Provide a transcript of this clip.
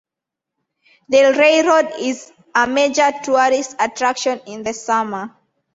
The railroad is a major tourist attraction in the summer.